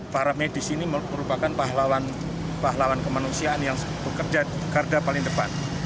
para medis ini merupakan pahlawan kemanusiaan yang bekerja di garda paling depan